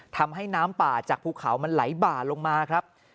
ทำให้น้ำป่าจากภูเขามันไหลบ่าลงมาครับ